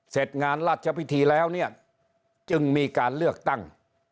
เสร็จงานราชพิธีแล้วเนี่ยจึงมีการเลือกตั้ง